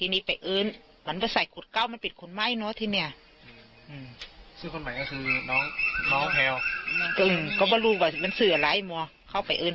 แล้วก่อนจากนั้นเป็นยังไงต่อไป